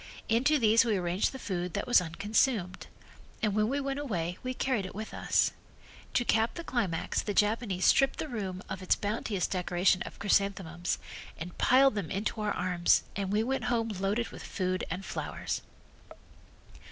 Into these we arranged the food that was unconsumed, and when we went away we carried it with us. To cap the climax the Japanese stripped the room of its bounteous decoration of chrysanthemums and piled them into our arms and we went home loaded with food and flowers.